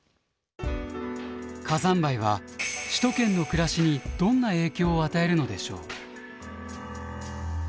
火山灰は首都圏の暮らしにどんな影響を与えるのでしょう。